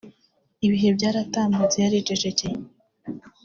Ibihe byaratambutse yaricecekeye